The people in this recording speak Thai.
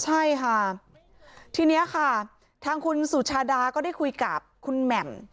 ใช่ค่ะทีนี้ค่ะทางคุณสุชาดาก็ได้คุยกับคุณแหม่ม